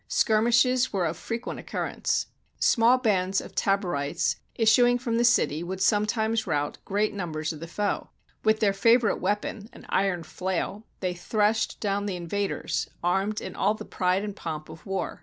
Skirmishes were of frequent occurrence. Small bands of Taborites, issuing from the city, would sometimes rout great num bers of the foe. With their favorite weapon, an iron flail, they threshed down the invaders, armed in all the pride and pomp of war.